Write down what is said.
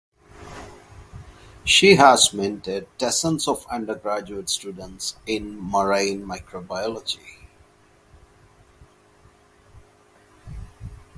She has mentored dozens of undergraduate students in marine microbiology.